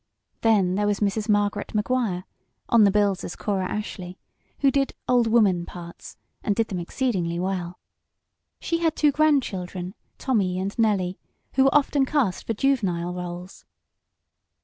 Then there was Mrs. Margaret Maguire (on the bills as Cora Ashleigh) who did "old women" parts, and did them exceedingly well. She had two grandchildren, Tommy and Nellie, who were often cast for juvenile rôles.